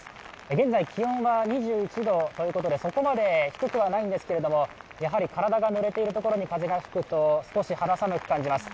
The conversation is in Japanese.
現在、気温は２１度ということで、そこまで低くはないんですけれども、やはり体がぬれているところに風が吹くと少し肌寒く感じます。